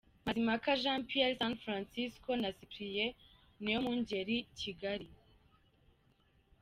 Mazimpaka Jean Pierre - San Francisco na Cyprien Niyomwungeri - Kigali.